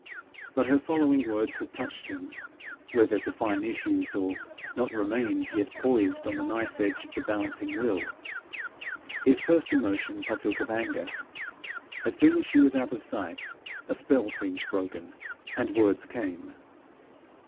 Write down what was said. But her following words had touched him whether to fine issues or not remained yet poised on the knife edge of the balancing will. His first emotion partook of anger. As soon as she was out of sight a spell seemed broken, and words came.